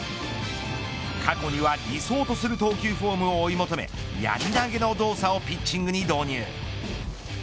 過去には理想とする投球フォームを追い求めやり投げの動作をピッチングに導入。